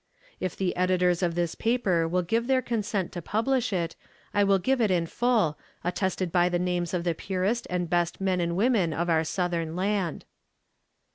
If the editors of this paper will give their consent to publish it, I will give it in full, attested by the names of the purest and best men and women of our Southern land.